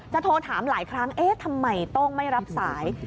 โทรถามหลายครั้งเอ๊ะทำไมต้องไม่รับสาย